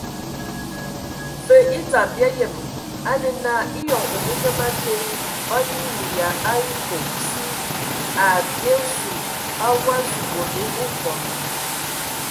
Və e dzam bia yəm a nə na, eyɔŋ ongəgəma te a nyiinə ya a ekob si,a bye nsul o wa zu bonde okɔn.